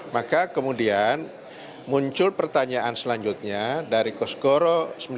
maka kemudian muncul pertanyaan selanjutnya dari kosgoro sembilan